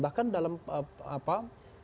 bahkan dalam sistem pemerintahan parlementer